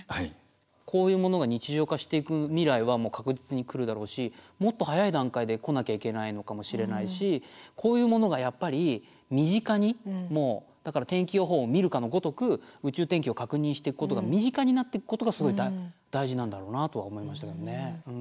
こういうものが日常化していく未来は確実に来るだろうしもっと早い段階で来なきゃいけないのかもしれないしこういうものがやっぱり身近にだから天気予報を見るかのごとく宇宙天気を確認していくことが身近になっていくことがすごい大事なんだろうなとは思いましたけどね。